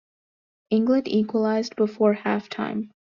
England equalized before half time.